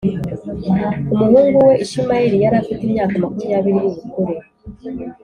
Umuhungu we Ishimayeli yari afite imyaka makumyabiri y’ubukure